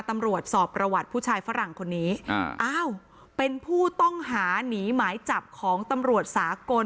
ตำรวจสอบประวัติผู้ชายฝรั่งคนนี้อ่าอ้าวเป็นผู้ต้องหาหนีหมายจับของตำรวจสากล